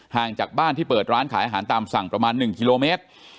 จากบ้านที่เปิดร้านขายอาหารตามสั่งประมาณ๑กิโลเมตร